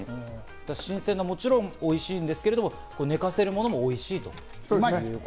新鮮なものはもちろんおいしいんですけど、寝かせるのもおいしい。